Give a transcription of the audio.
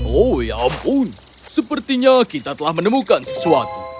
oh ya ampun sepertinya kita telah menemukan sesuatu